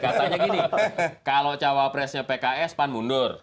katanya gini kalau cawapresnya pks pan mundur